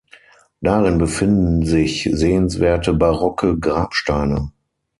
Darin befinden sich sehenswerte barocke Grabsteine.